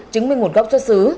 chứng minh nguồn gốc xuất xứ